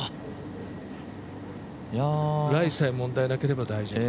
ライさえ問題なければ大丈夫。